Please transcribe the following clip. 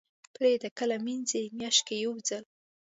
پردې کله مینځئ؟ میاشت کې یوځل